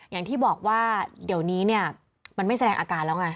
อย่างที่บอกว่าเดี๋ยวนี้เนี่ยมันไม่แสดงอาการแล้วไง